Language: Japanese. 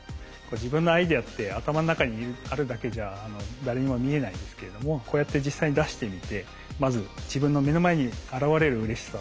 自分のアイデアって頭の中にあるだけじゃ誰にも見えないですけれどもこうやって実際に出してみてまず自分の目の前に現れるうれしさ